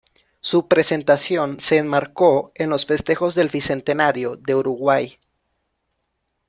Su presentación se enmarcó en los festejos del bicentenario de Uruguay.